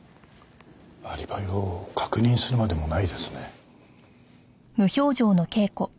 アリバイを確認するまでもないですね。